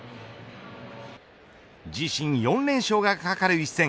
自身４連勝が懸かる一戦。